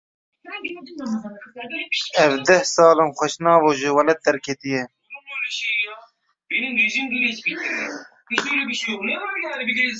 Ev deh sal in Xweşnavo ji welêt derketiye.